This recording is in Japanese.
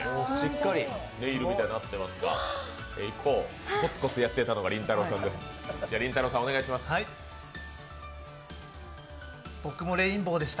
ネイルみたいになってますが一方コツコツやっていたのがりんたろーさんです。